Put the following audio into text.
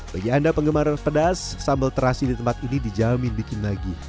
bagi anda penggemar pedas sambal terasi di tempat ini dijamin bikin lagi